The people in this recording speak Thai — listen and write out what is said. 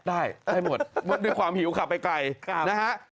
ได้ได้หมดหมดเป็นความหิวค่ะไปไกลนะฮะ